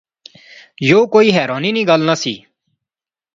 یو کوئی حیرانی نی گل نہسی